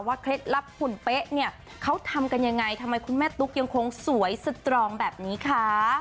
เคล็ดลับหุ่นเป๊ะเนี่ยเขาทำกันยังไงทำไมคุณแม่ตุ๊กยังคงสวยสตรองแบบนี้คะ